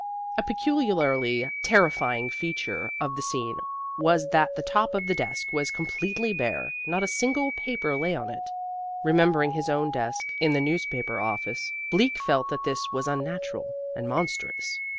A peculiarly terrifying feature of the scene was that the top of the desk was completely bare, not a single paper lay on it. Remembering his own desk in the newspaper office, Bleak felt that this was unnatural and monstrous.